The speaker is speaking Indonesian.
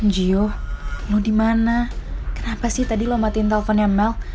gio lo dimana kenapa sih tadi lo matiin telfonnya mel